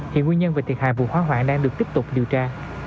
hiện nguyên nhân về thiệt hại vụ hóa hoảng đang được tiếp tục điều tra